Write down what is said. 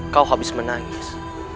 kau habis menangis